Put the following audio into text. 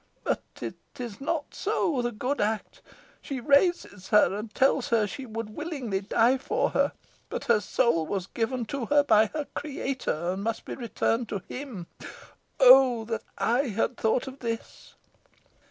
But it is not so the good act. She raises her, and tells her she will willingly die for her; but her soul was given to her by her Creator, and must be returned to him. Oh! that I had thought of this."